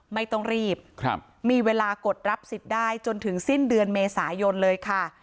ไม่ต้องรีบมีเวลากดรับสิทธิ์ได้จนถึงสิ้นเดือนเมษายนเลยค่ะ